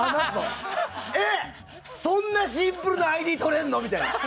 えっ、そんなシンプルなＩＤとれんの？みたいな。